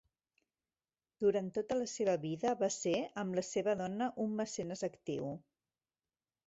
Durant tota la seva vida, va ser, amb la seva dona un mecenes actiu.